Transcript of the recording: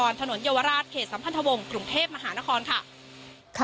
ถนนเยาวราชเขตสัมพันธวงศ์กรุงเทพมหานครค่ะ